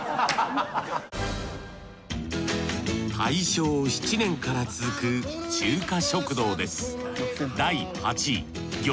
大正７年から続く中華食堂です